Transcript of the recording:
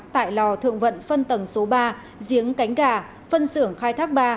tại lò thượng vận phân tầng số ba giếng cánh gà phân xưởng khai thác ba